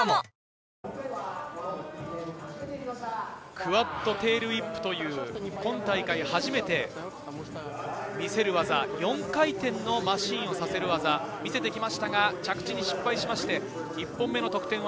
クワッドテールウィップという今大会初めて見せる技、４回転のマシンをさせる技を見せてきましたが着地に失敗しました。